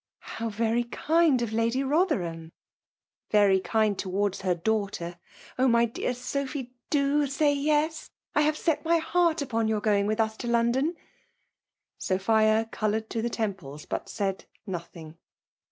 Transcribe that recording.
How very kind of Lady Boiherham !"— Very kind towards her daughter. Oh! lay dear Sophy !— do say yes ! I have set laj^ •heart upon your going with us to Lcmdon.'' Sophia coloured to the temples ; but said nothing.